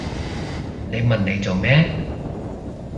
你問嚟做咩？